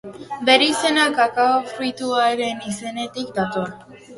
Bere izena Kakao fruituaren izenetik dator.